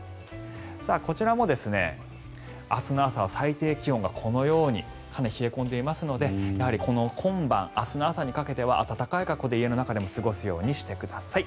こちらも明日の朝は最低気温がこのようにかなり冷え込んでいますので今晩、明日の朝にかけては暖かい格好で家の中でも過ごすようにしてください。